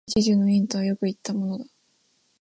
一樹の蔭とはよく云ったものだ